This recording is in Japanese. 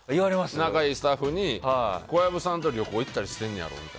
仲いいスタッフに小籔さんと旅行行ったりしてんねやろ。